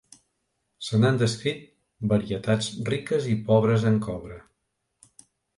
Se n'han descrit varietats riques i pobres en coure.